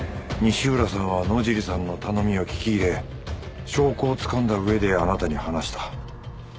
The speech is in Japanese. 西浦さんは野尻さんの頼みを聞き入れ証拠をつかんだ上であなたに話した。